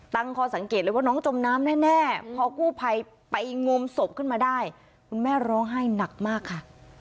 ตั้งคอสังเกตเลยว่าน้องจมน้ำแน่พอกู้ภัยไปงมศพขึ้นมาได้คุณแม่ร้องไห้หนักมากค่ะ